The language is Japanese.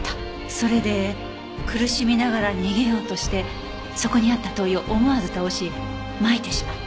それで苦しみながら逃げようとしてそこにあった灯油を思わず倒しまいてしまった。